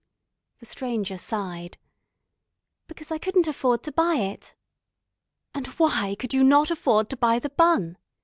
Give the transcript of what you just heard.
The Stranger sighed. "Because I couldn't afford to buy it." "And why could you not afford to buy the bun?"